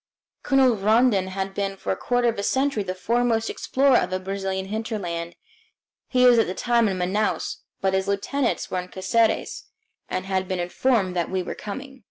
Colonel Rondon has been for a quarter of a century the foremost explorer of the Brazilian hinterland. He was at the time in Manaos, but his lieutenants were in Caceres and had been notified that we were coming.